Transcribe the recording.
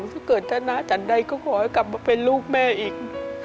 ถ้าเกิดท่านหน้าจันใดก็ขอให้กลับมาเป็นลูกแม่อีก